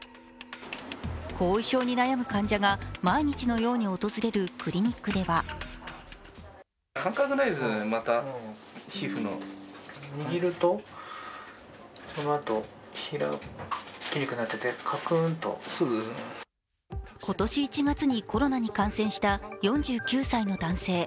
後遺症に悩む患者が毎日のように訪れるクリニックでは今年１月にコロナに感染した４９歳の男性。